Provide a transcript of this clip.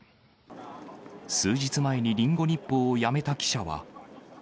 数日前にリンゴ日報を辞めた記者は。